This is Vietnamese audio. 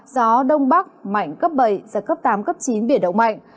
gió đông bắc mạnh cấp bảy giật cấp tám cấp chín biển động mạnh